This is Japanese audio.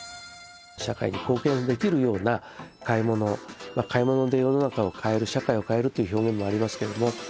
社会に貢献できるような買い物買い物で世の中を変える社会を変えるという表現もありますけれども。